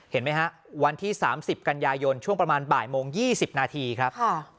เห็นไหมฮะวันที่๓๐กันยายนช่วงประมาณบ่ายโมง๒๐นาทีครับ